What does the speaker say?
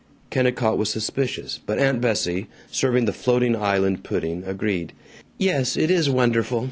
Kennicott was suspicious, but Aunt Bessie, serving the floating island pudding, agreed, "Yes, it is wonderful.